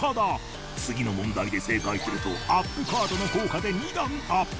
次の問題で正解するとＵＰカードの効果で２段アップ！